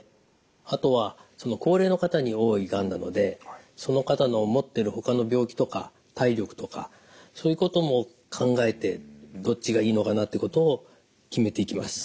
あとは高齢の方に多いがんなのでその方の持っているほかの病気とか体力とかそういうことも考えてどっちがいいのかなってことを決めていきます。